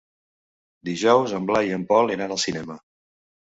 Dijous en Blai i en Pol iran al cinema.